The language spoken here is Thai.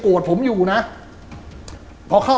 บางคนก็สันนิฐฐานว่าแกโดนคนติดยาน่ะ